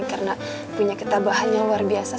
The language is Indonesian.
karena punya ketabahan yang luar biasa